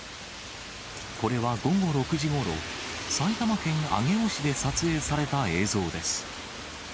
これは午後６時ごろ、埼玉県上尾市で撮影された映像です。